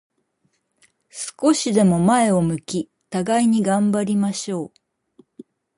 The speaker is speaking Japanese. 少しでも前を向き、互いに頑張りましょう。